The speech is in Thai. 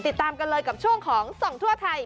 ติดตามกันเลยกับช่วงของส่องทั่วไทย